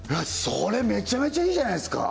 それめちゃめちゃいいじゃないですか！